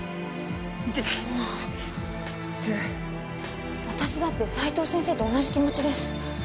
・そんな私だって斉藤先生と同じ気持ちです